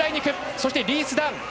そしてリース・ダン。